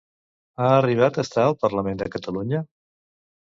Ha arribat a estar al Parlament de Catalunya?